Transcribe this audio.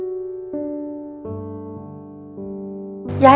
ของที่มันได้มาเนี่ยนะครับของที่มันได้มาเนี่ยนะครับ